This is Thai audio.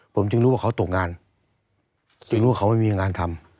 ผมจึงรู้ว่าเขาตกงานซึ่งรู้ว่าเขาไม่มีงานทำ